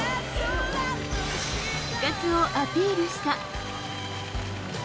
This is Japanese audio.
復活をアピールした。